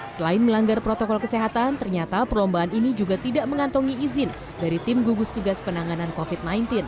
selain melanggar protokol kesehatan ternyata perlombaan ini juga tidak mengantongi izin dari tim gugus tugas penanganan covid sembilan belas